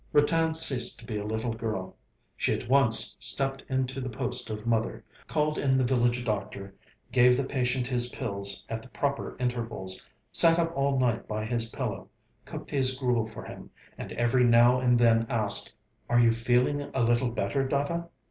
Ratan ceased to be a little girl. She at once stepped into the post of mother, called in the village doctor, gave the patient his pills at the proper intervals, sat up all night by his pillow, cooked his gruel for him, and every now and then asked: 'Are you feeling a little better, Dada?'